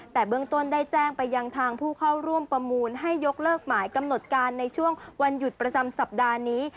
แต่เบื้องต้นได้แจ้งไปยังทางผู้เข้าร่วมประมูลให้ยกเลิกหมายกำหนดการในช่วงวันหยุดประจำสัปดาห์นี้